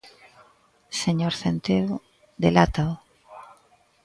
Señor Centeo, delátao.